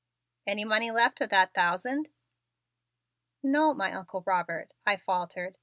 Any money left of that thousand?" "No, my Uncle Robert," I faltered.